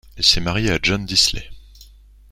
Elle s'est mariée à John Disley.